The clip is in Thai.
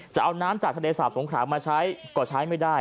จะเอาน้ำจากทะเลสาบสงขรามาใช้ก็ใช้ไม่ได้